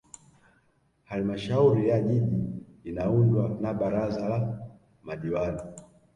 Halmashauri ya Jiji inaundwa na Baraza la Madiwani